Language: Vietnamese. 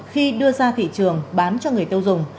khi đưa ra thị trường bán cho người tiêu dùng